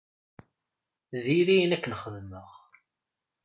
Diri ayen akken xedmeɣ.